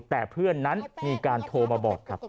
แต่เพื่อนนั้นมีการโทรมาบอกครับ